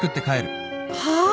はあ？